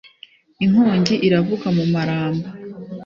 Inkongi iravuga mu Maramba,